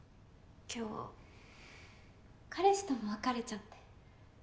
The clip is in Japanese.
今日彼氏とも別れちゃって。